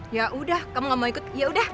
ya udah kamu gak mau ikut ya udah